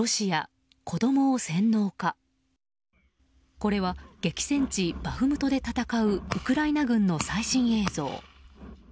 これは激戦地バフムトで戦うウクライナ軍の最新映像。